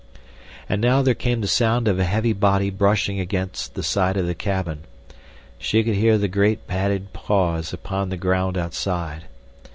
And now there came the sound of a heavy body brushing against the side of the cabin. She could hear the great padded paws upon the ground outside.